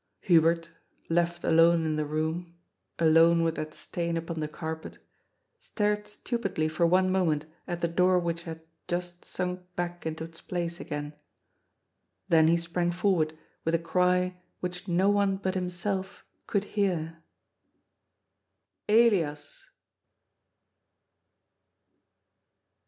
Hubert, left alone in the room — alone with that stain upon the carpet — stared stupidly for one moment at the door which had just sunk back into its place again. Then he sprang forward with a cry which no one but himself could hear: « Elias